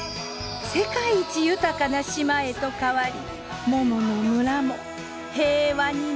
世界一豊かな島へと変わりももの村も平和になったとさ。